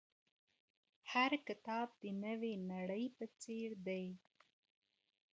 هر کتاب د نوې نړۍ په څېر دی.